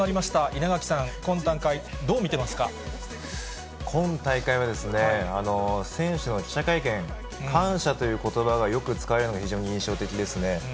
稲垣さん、今大会、どう見ていま今大会は、選手の記者会見、感謝ということばがよく使われるのが非常に印象的ですね。